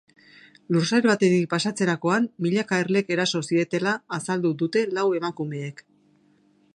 Lursail batetik pasatzerakoan milaka erlek eraso zietela azaldu dute lau emakumeek.